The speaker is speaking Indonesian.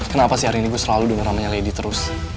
kenapa sih hari ini gue selalu dengar namanya lady terus